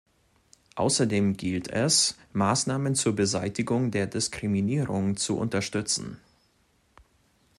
Außerdem gilt es, Maßnahmen zur Beseitigung der Diskriminierung zu unterstützen.